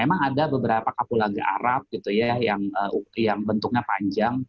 memang ada beberapa kapulaga arab gitu ya yang bentuknya panjang